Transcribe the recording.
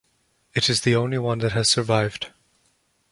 It is the only one that has survived.